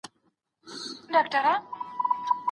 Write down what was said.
هغه کتاب چي تا راکړی و، ما په پوره مينه ولوست.